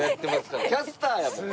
キャスターやもん。